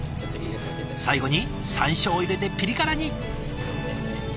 最後にさんしょうを入れてピリ辛に。